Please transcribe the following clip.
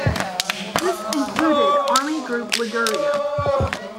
This included Army Group Liguria.